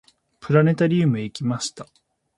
プラネタリウムへ行きました。